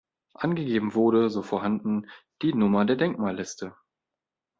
Angegeben wurde so vorhanden, die Nummer der Denkmalliste.